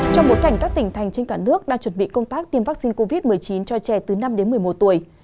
trong bối cảnh các tỉnh thành trên cả nước đang chuẩn bị công tác tiêm vaccine covid một mươi chín cho trẻ từ năm đến một mươi một tuổi